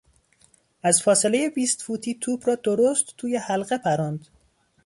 از فاصلهی بیست فوتی توپ را درست توی حلقه پراند.